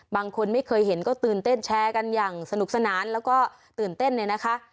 บางคนไม่เคยเห็นก็ตื่นเต้นแชร์กันอย่างสนุกสนานแล้วก็ตื่นเต้นเนี่ยนะคะ